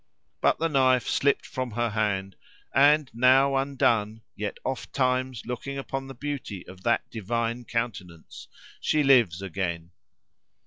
But the knife slipped from her hand; and now, undone, yet ofttimes looking upon the beauty of that divine countenance, she lives again.